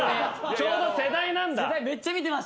ちょうど世代なんだ。